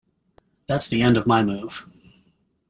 That’s the end of my move.